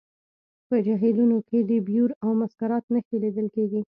په جهیلونو کې د بیور او مسکرات نښې لیدل کیږي